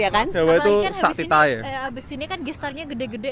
apalagi kan habis ini kan guestarnya gede gede